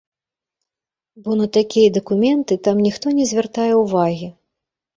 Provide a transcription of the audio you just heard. Бо на такія дакументы там ніхто не звяртае ўвагі.